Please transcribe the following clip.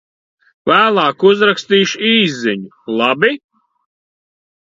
Vēlāk uzrakstīšu īsziņu, labi?